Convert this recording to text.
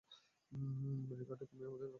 Ricardo, তুমি আমাদের ওখানে রক্ষা করেছো।